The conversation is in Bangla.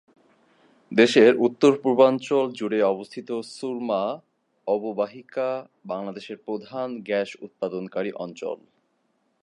দেশের উত্তরপূর্বাঞ্চল জুড়ে অবস্থিত সুরমা অববাহিকা বাংলাদেশের প্রধান গ্যাস উৎপাদনকারী অঞ্চল।